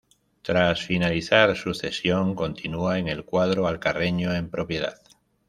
Tras finalizar su cesión, continúa en el cuadro alcarreño en propiedad.